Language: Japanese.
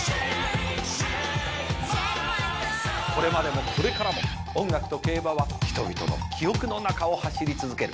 これまでもこれからも音楽と競馬は人々の記憶の中を走り続ける。